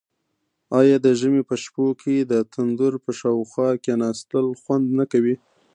آیا د ژمي په شپو کې د تندور په شاوخوا کیناستل خوند نه کوي؟